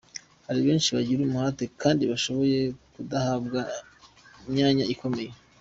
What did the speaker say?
Hari benshi bagira umuhate kandi bashoboye badahabwa myanya ikomeye.